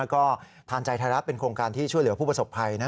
ก็ทานใจไทยรัฐเป็นโครงการที่ช่วยเหลือผู้ประสบภัย